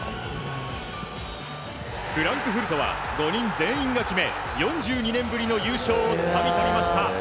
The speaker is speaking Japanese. フランクフルトは５人全員が決め４２年ぶりの優勝をつかみ取りました。